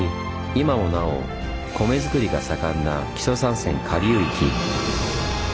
今もなお米づくりが盛んな木曽三川下流域。